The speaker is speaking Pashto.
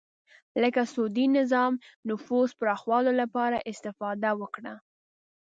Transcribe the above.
لکه سعودي نظام نفوذ پراخولو لپاره استفاده وکړه